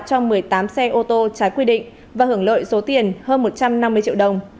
cho một mươi tám xe ô tô trái quy định và hưởng lợi số tiền hơn một trăm năm mươi triệu đồng